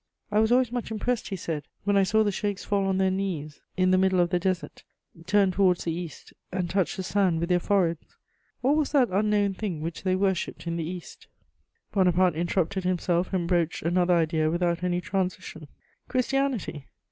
"I was always much impressed," he said, "when I saw the sheiks fall on their knees in the middle of the desert, turn towards the East, and touch the sand with their foreheads. What was that unknown thing which they worshipped in the East?" Bonaparte interrupted himself and broached another idea without any transition: "Christianity!